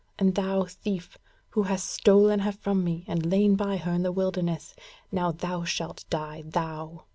And thou, thief, who hast stolen her from me, and lain by her in the wilderness, now shalt thou die, thou!"